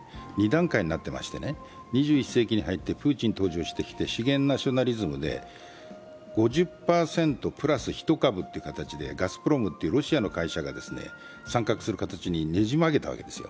２段階になっていまして２１世紀になってプーチンが登場してきて資源ナショナリズムで５０％プラス１株という形で、ガスプロムというロシアの会社が参画する形にねじ曲げたわけです。